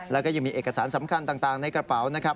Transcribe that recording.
แล้วก็ยังมีเอกสารสำคัญต่างในกระเป๋านะครับ